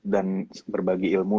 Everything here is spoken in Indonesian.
dan berbagi ilmu